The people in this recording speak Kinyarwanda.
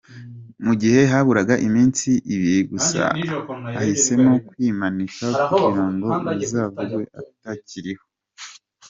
Mu gihe haburaga iminsi ibiri gusa, ahisemo kwimanika kugira ngo bizavugwe atakiriho.